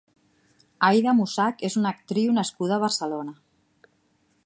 Aida Mussach és una actriu nascuda a Barcelona.